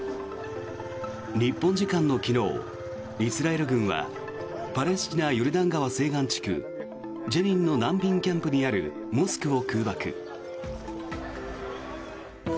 日本時間の昨日、イスラエル軍はパレスチナ・ヨルダン川西岸地区ジェニンの難民キャンプにあるモスクを空爆。